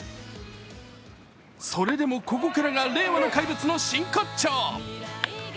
それでも、ここからが令和の怪物の真骨頂。